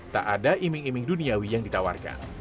tak ada iming iming duniawi yang ditawarkan